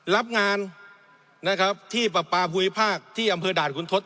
รับงานนะครับที่ประปาภูมิภาคที่อำเภอด่านคุณทศ